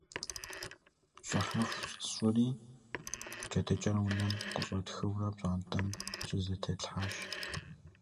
ЩӀыхьэху сщӀыри, джэдыкӀэр унэм къыщӀэтхыурэ пщӀантӀэм щызэтетлъхьащ.